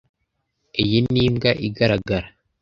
Iyi ni imbwa igaragara.